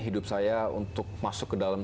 hidup saya untuk masuk ke dalam